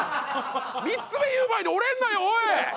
３つ目言う前に折れんなよおい。